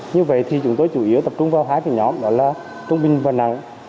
như vậy thì chúng tôi chủ yếu tập trung vào hai cái nhóm đó là trung bình và nặng